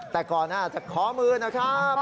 แต่ก่อนหน้าจะขอมือนะครับ